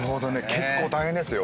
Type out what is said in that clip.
結構大変ですよ。